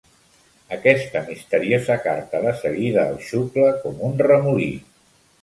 Aquesta misteriosa carta de seguida el xucla com un remolí.